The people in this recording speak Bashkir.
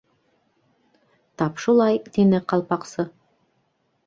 — Тап шулай, — тине Ҡалпаҡсы.